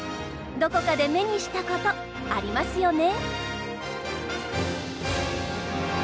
どこかで目にしたことありますよね。